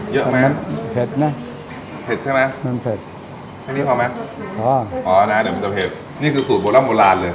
เยอะไหมเผ็ดนะเผ็ดใช่ไหมมันเผ็ดแค่นี้พอไหมอ๋ออ๋อนะเดี๋ยวมันจะเผ็ดนี่คือสูตรโบราณโบราณเลย